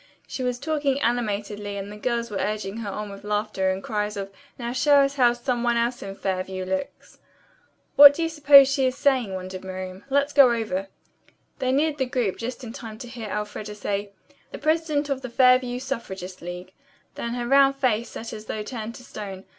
She was talking animatedly and the girls were urging her on with laughter and cries of "Now show us how some one else in Fairview looks." "What do you suppose she is saying?" wondered Miriam. "Let's go over." They neared the group just in time to hear Elfreda say, "The president of the Fairview suffragist league." Then her round face set as though turned to stone.